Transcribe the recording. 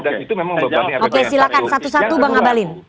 oke silakan satu satu bang abalin